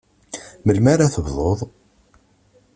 Melmi ara tebduḍ?